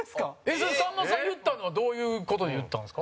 陣内：さんまさん、言ったのはどういう事で言ったんですか？